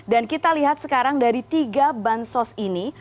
kita lihat sekarang dari tiga bansos ini